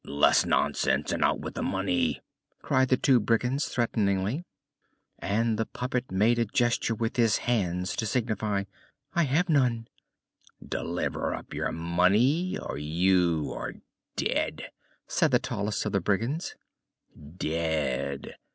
Less nonsense and out with the money!" cried the two brigands threateningly. And the puppet made a gesture with his hands to signify: "I have none." "Deliver up your money or you are dead," said the tallest of the brigands. "Dead!"